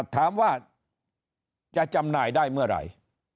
ถามว่าจะจำหน่ายได้เมื่อไหร่